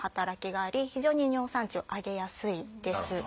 非常に尿酸値を上げやすいです。